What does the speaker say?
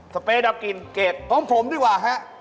ดับลูกลิ่นของผมดีกว่าครับ